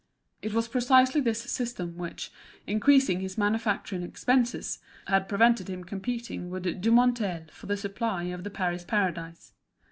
It was precisely this system which, increasing his manufacturing expenses, had prevented him competing with Dumonteil for the supply of the Paris Paradise.